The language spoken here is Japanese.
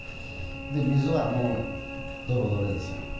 水はもう、どろどろですよ。